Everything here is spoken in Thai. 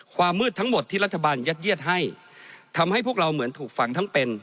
ความมืดทั้งหมดที่รัฐบาลยัดเยียดให้ทำให้พวกเราเหมือนถูกฝังทั้งเป็น